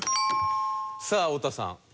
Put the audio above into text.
さあ太田さん。